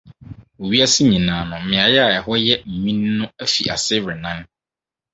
Wɔ wiase nyinaa no mmeae a ɛhɔ yɛ nwini no afi ase renan.